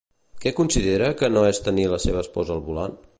Què considera que és no tenir la seva esposa al voltant?